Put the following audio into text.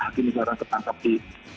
hakim hakim orang tertangkap di